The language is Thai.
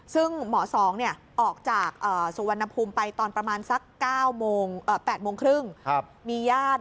ซึ่งหมอสองในออกจากสุวรรณภุมไปตอนประมาณ๙๐๐๘๓๐มีญาติ